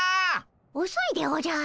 おそいでおじゃる！